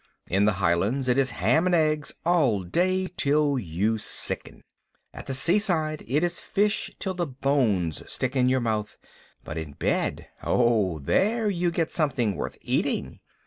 In the Highlands it is ham and eggs all day till you sicken. At the seaside it is fish till the bones stick in your mouth. But in bed oh, there you get something worth eating.